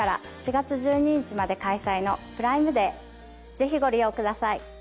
ぜひご利用ください。